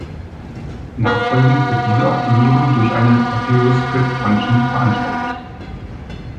Nachfolgend wird diese Optimierung durch eine „papyrus script function“ veranschaulicht.